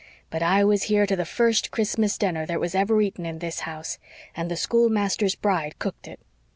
But I was here to the first Christmas dinner that was ever eaten in this house and the schoolmaster's bride cooked it.